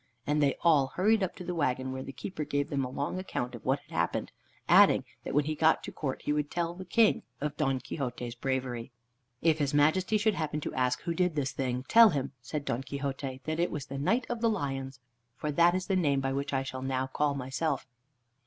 And they all hurried up to the wagon where the keeper gave them a long account of what had happened, adding, that when he got to court he would tell the King of Don Quixote's bravery. "If his Majesty should happen to ask who did this thing, tell him," said Don Quixote, "that it was the Knight of the Lions, for that is the name by which I shall now call myself."